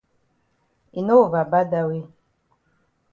E no over bad dat way.